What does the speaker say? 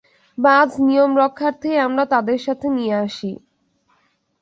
বাজ, নিয়ম রক্ষার্থেই আমরা তাদের সাথে নিয়ে আসি।